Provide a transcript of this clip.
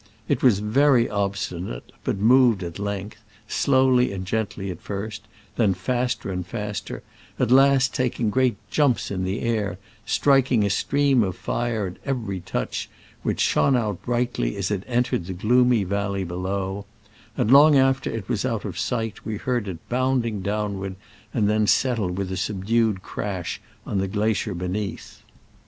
It was very obstinate, but moved at length — slowly and gently at first, then faster and faster, at last taking great jumps in the air, striking a stream of fire at every touch, which shone out brightly as it entered the gloomy valley below ; and long after it was out of sight we heard it bounding downward, and then settle with a sub dued crash on the glacier beneath.